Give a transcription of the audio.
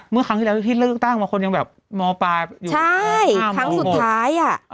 เมื่อครั้งที่แล้วที่เลือกตั้งบางคนยังแบบมปลายอยู่ใช่ครั้งสุดท้ายอ่ะ